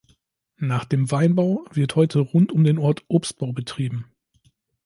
Nach dem Weinbau wird heute rund um den Ort Obstbau betrieben.